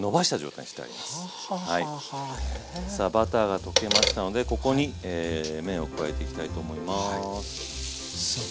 さあバターが溶けましたのでここに麺を加えていきたいと思います。